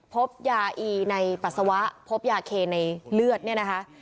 พบยาอีในปัสสาวะพบยาเคในเลือดเนี่ยนะคะ